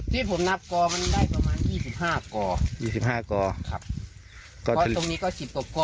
ที่ผมนับกอมันได้ประมาณยี่สิบห้าก่อยี่สิบห้าก่อครับก่อเพราะตรงนี้ก็สิบกว่าก่อ